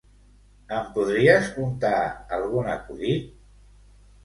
Em podries contar algun acudit?